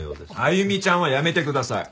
「歩ちゃん」はやめてください！